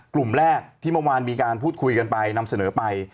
กลุ่มแรกที่เมื่อวานมีการพูดคุยกันไปนำเสนอไป